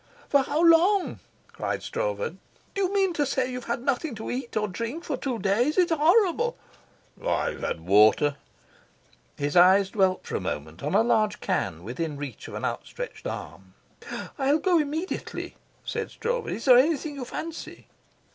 "For how long?" cried Stroeve. "Do you mean to say you've had nothing to eat or drink for two days? It's horrible." "I've had water." His eyes dwelt for a moment on a large can within reach of an outstretched arm. "I'll go immediately," said Stroeve. "Is there anything you fancy?"